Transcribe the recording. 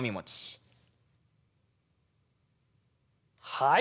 はい。